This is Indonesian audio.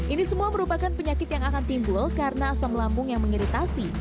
ini semua merupakan penyakit yang akan timbul karena asam lambung yang mengiritasi